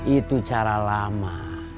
itu cara lama